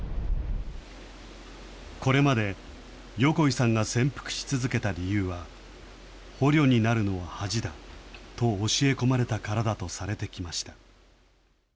これまで横井さんが潜伏し続けた理由は、捕虜になるのは恥だと教え込まれたからだとされてきました。